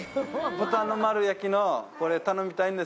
豚の丸焼きのこれ頼みたいんですけど。